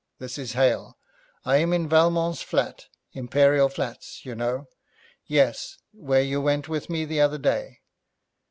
This is Hale. I am in Valmont's flat Imperial Flats you know. Yes, where you went with me the other day.